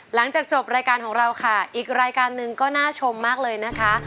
หลังจากจบรายการของเราค่ะอีกรายการหนึ่งก็น่าชมมากเลยนะคะ